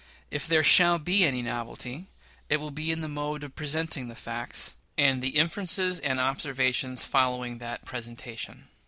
If there shall be any novelty, it will be in the mode of presenting the facts, and the inferences and observations following that presentation.